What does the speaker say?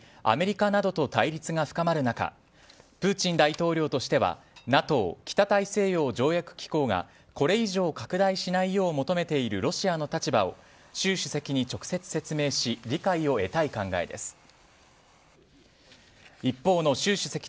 アメリカなどと対立が深まる中プーチン大統領としてはＮＡＴＯ＝北大西洋条約機構がこれ以上拡大しないよう求めているロシアの立場を習主席に直接説明し理解を得たい考えです。